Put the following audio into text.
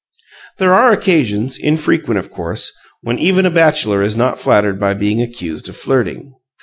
There are occasions, infrequent, of course, when even a bachelor is not flattered by being accused of flirting.